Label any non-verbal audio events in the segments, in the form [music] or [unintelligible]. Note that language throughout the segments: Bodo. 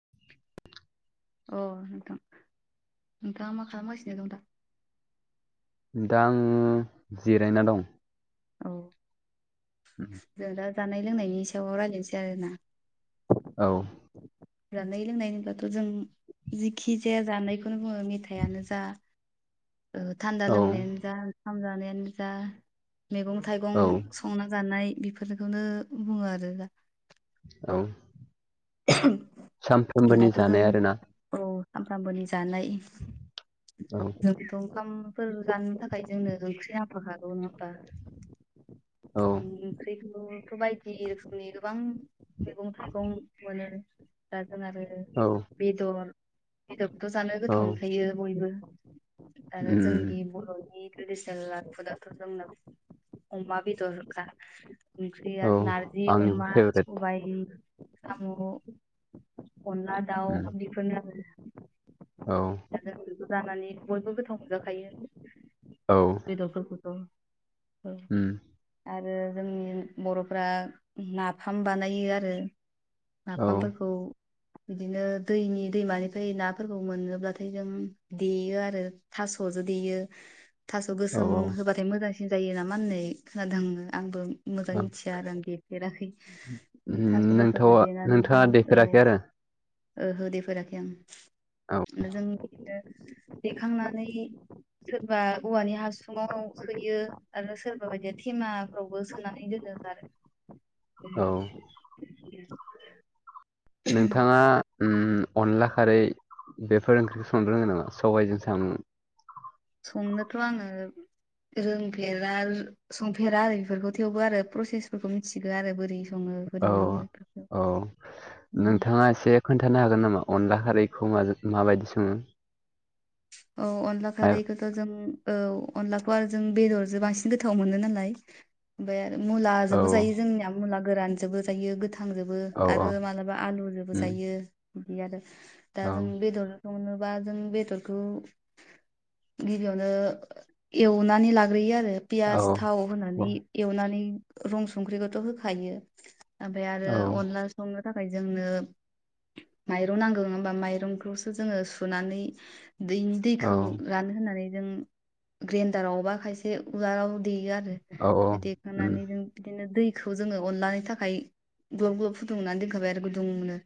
[unintelligible] अ नोंथां नोंथाङा मा खालामगासिनो दं दा? दा आङो जिरायना दं। औ जों दा जानाय लोंनायनि सायाव रायज्लायनोसै आरोना? औ। जानाय लोंनायनिब्लाथ' जों जिखि जाया जानायखौ बेखौनो बुङो मेथाइयानो जा थान्दा औ लोंनायानो जा ओंखाम जानायानो जा। मैगं थाइगं औ संना जानाय बेफोरखौनो बुङो आरो दा। औ। [unintelligible] सानफ्रोमबोनि जानाय आरोना। आमफ्रामबोनि जानाय औ जोंथ ओंखाम फोर जानो थाखाय जोंनो ओंख्रि नांफाखागौ नङाबा? औ जों ओंख्रिखौथ' बायदि रोखोमनि गोबां मैगं थाइगं मोनो दा जों आरो औ बेदर बेदर जानो औ गोथाव मोनखायो बयबो। आरो उम जोंनि बर'नि ट्रेडिं स्नेल हाखुदाखु जोंनो अमा बेदर होखा। ओंख्रिया औ नारजि आंनि अमा फेभरेट सबाइ सामु। अनला दाउ उम बिफोरनो आरो। औ। दा जों जानानै बयबो गोथाव मोनजाखायो औ बेदरफोरखौथ'। औ उम आरो ओ जोंनि बर'फ्रा नाफाम बानायो आरो। औ नाफामफोरखौ बिदिनो दैनि दैमानिफ्राय नाफोरखौ मोनोब्लाथाय जों देयो आरो था सजो देयो थास' औ गोसोम औ होबाथाय मोजांसिन जायो नामा होनै खोनादों आंबो मोजाङै मिथिया आरो आं देफेराखै उम थास'गोसोमजों। नोंथावा नोंथाङा देफेराखै आरो? ओहो देफेराखै आं औ नोंजों बिदिनो दैेखांनानै सोरबा औवानि हासुङाव सोयो आरो सोरबा बायदिया थेमाफ्रावबो सोनानै जोङो ज आरो [inaudible] औ [inaudible] नोंथाङा उम अनला खारै बेफोर ओंख्रिखौ संनो रोङो नामा सबायाइजों सामजों संनोथ' आङो रोंफेरा संफेरा आरो बेफोरखौ थेवबो आरो प्रसेसफोरखौ मिथिगौ आरो बोरै सङो औ बोरै मायो बेफोरखौ औ उम। नोंथाङा एसे खोन्थानो हागोन नामा अनला खारैखौ माजों माबायदि सङो औ अनला औ खारैखौथ' जों औ अनलाखौ आरो जों बेदरजों बांसिन गोथाव मोनो नालाय ओमफ्राय मुला जोंबो जायो जोंनिया मुला गोरान जोंबो जायो गोथाव थाजोंबो आरो मालाबा आलुजोंबो जायो बिदिनो आरो दा जों बेदर बा जों बेदर बेखौ गिबियावनो एवनानै लाग्रोयो आरो पियास थाव होनानै एवनानै रं संख्रिखौथ' होखायो ओमफ्राय आरो अनला संनो थाखाय जोंनो माइरं नांगौ होमबा माइरंखौसो जोङो सुनानै बेनि दैखौ रानो होननानै जों ग्रेन्दाराव बा खायसे उवालाव देयो आरो औ बेनिफ्राय देखांनानै जों बिदिनो दै जोङो अनलानि थाखाय ग्लब ग्लब फुदुंनानै दोनखाबाय आरो गुदुंनो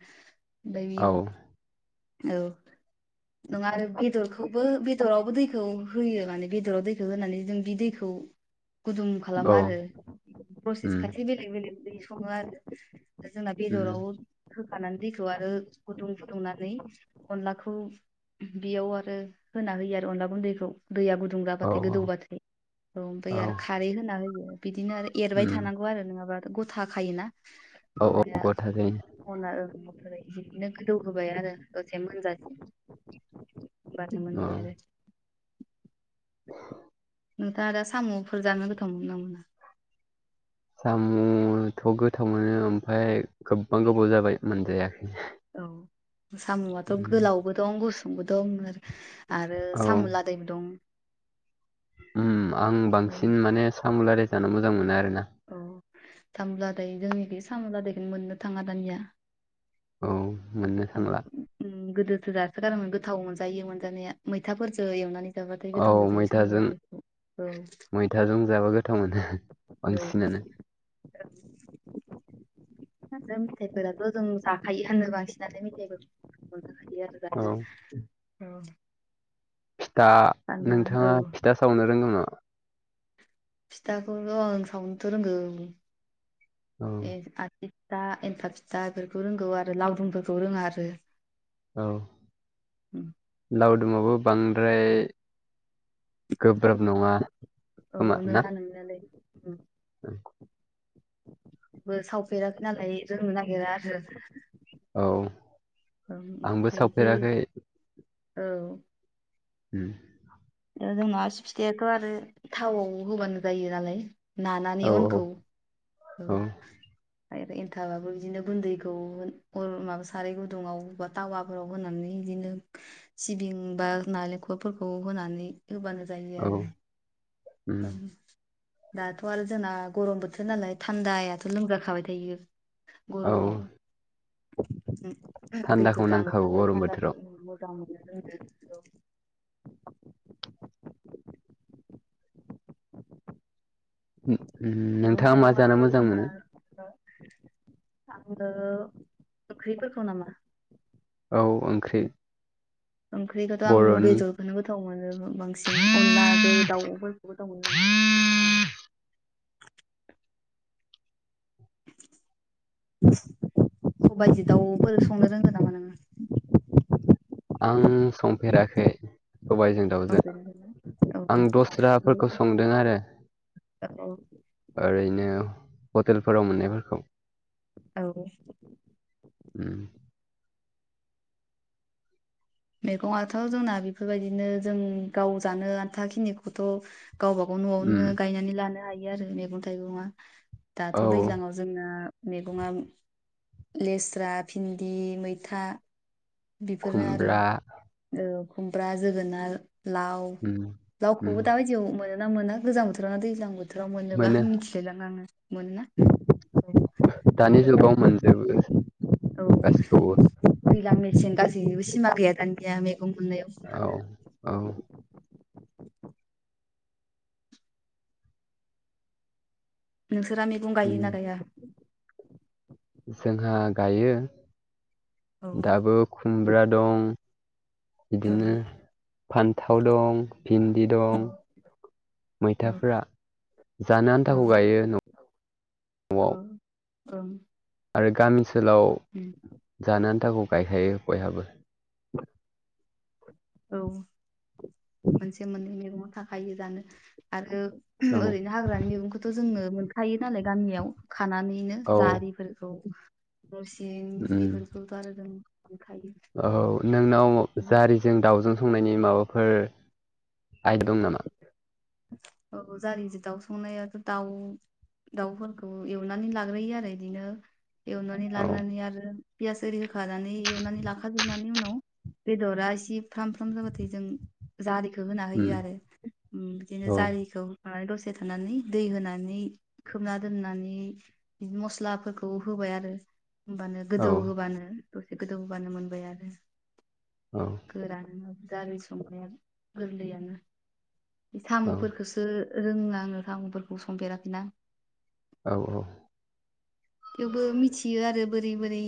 दैयाव औ नङा आरो बेदरखौबो बेदरावबो दैखौ होयो माने बेदराव दैखौ होनानै जों बि दैखौ गुदुं खालामो आरो प्रसेस खाथि बेलेग बेलेग संङो आरो जोंना बेदराव होखानानै दैखौ आरो गुदुं फुदुंनानै अनलाखौ बेयाव आरो होना होयो आरो अनला गुन्दैखौ दैया गुदुं जाबाथाय गोदौबाथाय औ ओम आरो खारै होनानै होयो बिदिनो आरो एरबाय थानांगौ आरो नङाबा गथाखायोना औ ओमफ्राय गथा जायो अनला ओमफ्राय बिदिनो गोदौ होबाय आरो दसे मोनजासिम होमबाथ' औ मोनबायानो [inaudible] [inaudible] नोंथाङा दा साम'फोर जानो गोथाव मोनो नामा साम'थ' गोथाव मोनो ओमफफ्राय गोबबां गोबाव जाबाय मोनजाया औ साम'आथ' गोलावबो दं गुसुंबो दं आरोखि आरो औ सामुलादायबो दं उम आं औ बांसिन सामु लादाय जानो मोजां मोनो आरोना सामु लादाय जोंनि बे सामु लादैखौनो मोननो थाङा दानिया औ मोननो उम थांला गोदोसो जासोगारोमोन गोथाव मोनजायो मोनजानाया मैथाफोरजों एवनानै जाबाथाय औ गोथाव मोनजायो साम' मैथाजों लादायखौ मैथाजों जाबा गोथाव मोनो औ औ बांसिनानो मेथाइफोराथ' जों जाखायो होननो बांसिन नाथाय मेथाइफोरखौ हालिया आरो औ जानो फिथा सानदा औ नोंथाङा फिथा सावनो रोंगौ नामा फिथाखौ आं सावनोथ' रोंगौ औ ए आथि दा एन्थाब फिथा बेफोरखौ रोंगौ आरो लावदुंमफोरखौ रोङा आरो औव लावदुम आबो बांद्राय गोब्राब नङा औ खोमा ना। नोंना नोंनायालाय औव [unintelligible] बो सावफेराखै नालाय रोंनो नागिरा आरो औ आंबो ओमफ्राय बे सावफेराखै। औ उम जोंना आसि फिथाइयाथ' आरो थावआव होबानो जायो नालाय नानानै उनखौ औव आरो एन्थाबाबो बिदिनो गुन्दैखौ अर माबा साराय गुदुंव बा थावाफोराव होनानै बिदिनो सिबिं बा नालेंखलफोरखौ होनानै होबानो जायो आरो। औ उम औं दाथ' आरो जोंना गरम बोथोर नालाय थान्दायाथ' लोमजाखाबाय थायो। औ गरमाव। थान्दाखौ दैफोर नांखागौ गांग्रोनांगोन गरम थान्दाफोर बोथोराव मोजां मोन ज [unintelligible] उ उम नोंथाङा मा जानो मोजां मोनो। आंबो ओंख्रिफोरखौ नामा। औव ओंख्रि। ओंख्रिखौथ' आं बर'नि बेदरखौनो गोथाव मोनो। बांसिन अनलादो दाउफोरखौबो मोजां मोनो आं। [unintelligible] सबायदि दाउफोर संनो रोंगो नामा नोङो। आं संफेराखै सबायजों औ दाउजों। बेरायगोन ना? औ आं औ दस्राफोरखौ संदों आरो। औ औ ओरैनो हटेलफोराव मोननायफोरखौ। औव उम मैगंआथ' जोंना बेफोरबायदिनो जों गाव जानो आन्थाखिनिखौथ' गावबाागाव उम न'आवनो गायनानै लानो हायो आरो मैगं थाइगंङा दाथ' औ दैज्लाांआव जोंना मैगंया लेस्रा भिन्दि मैथा बेफोरनो आरो खुमब्रा ओ खुमब्रा जोगोनार लाव उम उम लावखौबो दा बायदियाव मोन ना मोना गोजां बोथोरावना दैज्लां बोथोर बोथोराव मोनोबा मोनो मिथिलायलाङा आङो मोनोना। औ दानिजुगाव मोनजुबो। औव दैलां मेसेन गासैबो सिमा गैया दानिया मे गं औ औ मोननायाव। नोंसोरा मैगं उम गायोना गाया। जोंहा गायो औ ओं दाबो खुमब्रा दं। औ बिदिनो फान्थाव दं भिन्दि दं। औ मैथाफोरा जानो आन्थाखौ गायो न' औव औव आरो गामि ओनसोलाव जानो आन्थाखौ गायखायो बयहाबो। औव मोनसे मोननै मैगंया थाखायो दानो आरो औ ओरैनो हाग्रानि मैगंखौथ' जोङो मोनखायो नालाय गामियाव खानानैनो औ जारिफोरखौ नोरसिं बेफोरखौथ' आरोजों औव नोंनाव जारिजों दाउजों संनायनि माबाफोर आइन दं नामा। औव जारिजों दाउ संनायाथ' दाउ दाउफोरखौ एवनानै लाग्रोयो आरो बिदिनो एवनानै औ लानानै आरो पियास ओरि होखानानै एवनानै लाखा जोबनानि उनाव। बेदरा एसे फ्राम फ्राम जाबाथाय जों जारि। होना होयो उम आरो बिदिनो औ जारिखौ। दसे थानानै दै होनानै खोबना दोननानै मस्लाफोरखौ होबाय। होबाय आरो होमबानो औ गोदौ होबानो दसे गोदौ होबानो मोनबाय आरो। औ गोरान गारि संनाया गोरलैयानो। साम'फोरखौसो रोङा आङो साम'फोरखौ संफेराखैना। औ औ। थेवबो मिथियो आरो बोरै बोरै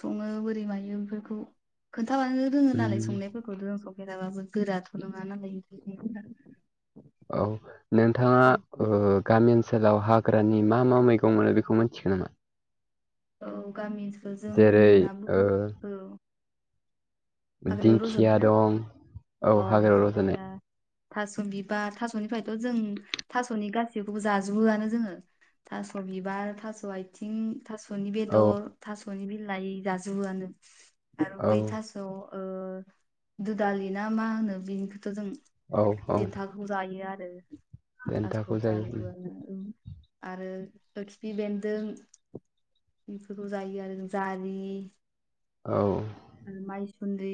सङो बोरै मायो बेफोरखौ। खोनथाबानो रोङो नालाय उम संनायफोरखौ थ' जों संफेराबाबो गोराथ' नङा नालाय। औ नोंथाङा ओ गामि ओन सोलाव हाग्रानि मा मा मैगं मोनो बेखौ मिथिगोन नामा? औ गामि ओनसोलाव जेरै जोंना ओ बुहुत औ। हाग्रायाव रज'नाय दिंखिया ना दं। औ अ हाग्रायाव रजानाय दिंखिया थास' बिबार थास'निफ्रायथ' जों थास'नि गासिखौबो जाजोबोआनो जोङो। थास' बिबार थास' आथिं थास'नि औ बेदर, थास'नि बिलाइ जाजोबोआनो आरो औ बै थास' ओ दुदालि ना मा होनो बेनिखौथ' जों औ औ देन्थाखौ जायो आरो। देन्थाखौ थास'खौ जायो उम जाजोबोयानो ओं आरो खिफि बेन्दों बेफोरखौ जायो आरो जारि औ। उन्दै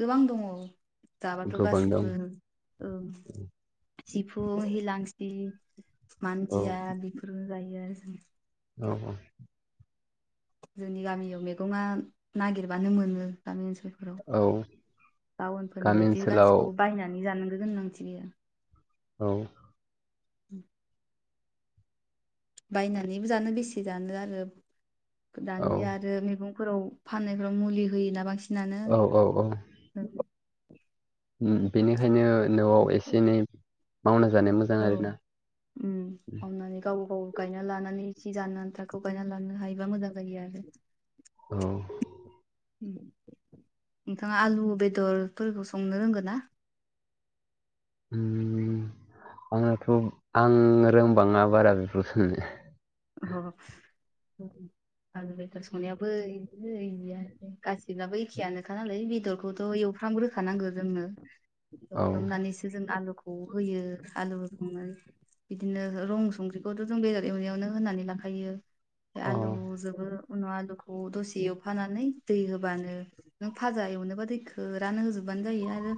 गोबां दङ। जाबाथ' गोबां दं गासैबो औ सिफुं, हिलांसि औ मान्जिया बेफोरबो जायो आरो जों। औ औ जोंनि गामियाव मैगंआ नागिरबानो मोनो। गामि ओनसोलफोराव। औ टाउनफोरनि गामि बायदि ओनसोलाव गासिखौबो बायनानै जानो गोनांथि गैया। औ। उम बायनानैबो जानो बेसे जानो आरो औ दानिया आरो मैगं फोराव फाननायफोराव मुलि होयोना बांसिनानो। औ औ औ उम बेनिखायनो न'आव एसे एनै मावना जानाया मोजां आरो औ ना। उम मावनानै गावबा गाव गायना लानानै जि जानो आथाखौ गायना लानो हायोबा मोजां जायो आरो। औ। उम नोंथाङा आलु बेदरफोरखौ संनो रोंगोन ना? [inaudible] उम आंनाथ'! आं रोंबाङा बारा बेफोरखौ माने। अ आलु बेदर संनायाबो इदिनो इदियानोसै गासिबनाबो एखेयानोखा नालाय बेदरखौथ' एव फ्रामग्रोखानांगौ जोङो औ एवफ्रामनानैसो जों आलुखौ होयो आलु होखांनानै बिदिनो रं संख्रिखौथ' जों बेदर एवनायावनो होनानै लाखायो, औ आलुजोंबो उनाव आलुखौ दसे एवफानानै दै होबानो नों फाजा एवनोबा दैखौ रान होजोब होबानो जायो आरो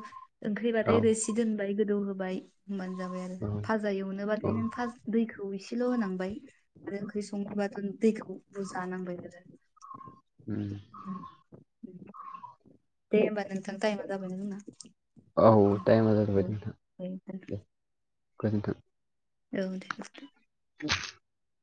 ओंख्रिबाथाय रोसि दोनबाय गोदौ होबाय। होमबानो जाबाय आरो औ फाजा औ एवनोबथाय नों दैखौ एसेल' होनांबाय। आरो ओंख्रि संनोबाथाय दैखौ बुरजा नांबाय आरो। उम दे होमबा नोंथां टाइमआ जाबाय जोंना। औ टाइमा जाथ'बाय औ नोंथां, दे गोजोनथों। औ दे गोजों [inaudible]